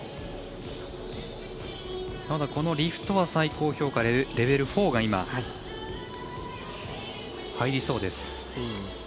リフトは最高評価レベル４が入りそうです。